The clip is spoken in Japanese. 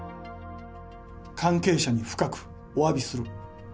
関係者に深くおわびする。